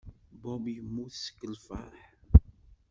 Bob yemmut seg lfeṛḥ.